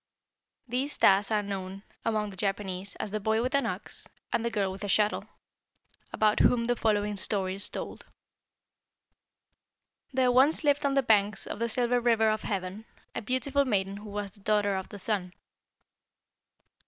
These stars are known among the Japanese as the 'boy with an ox' and 'the girl with a shuttle,' about whom the following story is told: "There once lived on the banks of the Silver River of Heaven a beautiful maiden who was the daughter of the Sun.